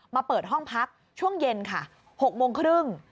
เปิดห้องพักช่วงเย็นค่ะ๖โมงครึ่ง